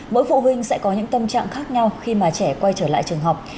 mỗi phụ huynh sẽ có những tâm trạng khác nhau khi mà trẻ quay trở lại trường học